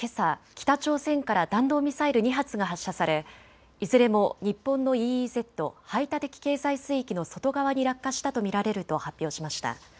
北朝鮮から弾道ミサイル２発が発射されいずれも日本のＥＥＺ・排他的経済水域の外側に落下したと見られると発表しました。